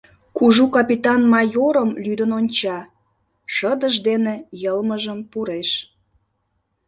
Кужу капитан майорым лӱдын онча, шыдыж дене йылмыжым пуреш.